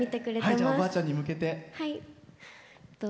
おばあちゃんに向けて。